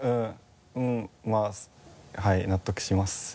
うんまぁはい納得します。